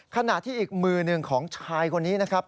ขณะที่อีกมือหนึ่งของชายคนนี้นะครับ